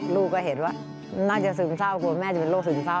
ลูกก็เห็นว่าน่าจะซึมเศร้ากลัวแม่จะเป็นโรคซึมเศร้า